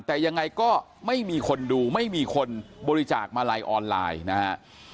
แต่ยังไงก็ไม่มีคนดูไม่มีคนบริจาคมาลัยออนไลน์นะฮะ